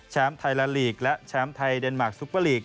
ไทยแลนดลีกและแชมป์ไทยเดนมาร์ซุปเปอร์ลีก